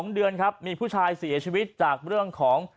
๒เดือนครับมีผู้ชายเสียชีวิตจากเรื่องของ